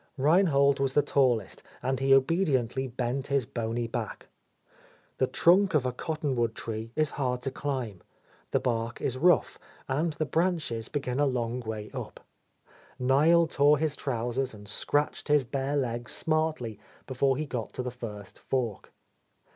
Rheinhold was the tallest, and he obediently bent his bony back. The trunk of a cottonwood tree is hard to climb; the bark is rough, and the branches begin a long way up. Niel tore his trousers and scratched his bare legs smartly be fore he got to the first fork.